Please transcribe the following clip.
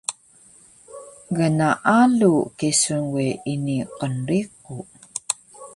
Gnaalu kesun we ini qnriqu